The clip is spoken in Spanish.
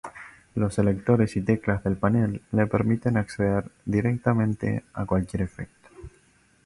Los selectores y teclas del panel le permiten acceder directamente a cualquier efecto.